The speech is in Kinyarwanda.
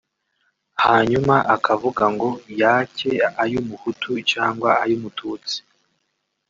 hanyuma akavuga ngo yake ay’umuhutu cyangwa ay’umututsi